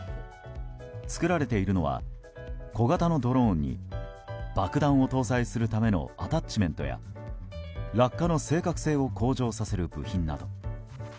作られているのは小型のドローンに爆弾を搭載するためのアタッチメントや落下の正確性を向上させる部品など。